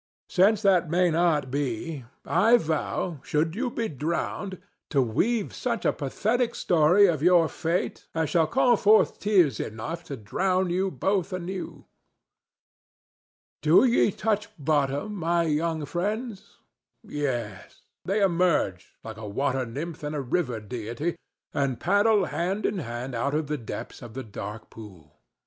Since that may not be, I vow, should you be drowned, to weave such a pathetic story of your fate as shall call forth tears enough to drown you both anew. Do ye touch bottom, my young friends? Yes; they emerge like a water nymph and a river deity, and paddle hand in hand out of the depths of the dark pool.